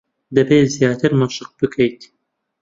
دەبێت زیاتر مەشق بکەیت.